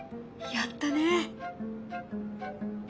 やったね。